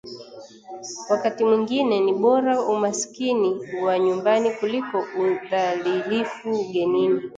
Wakati mwingine ni bora umasikini wa nyumbani kuliko udhalilifu ugenini